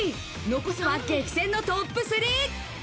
残すは激戦のトップ３。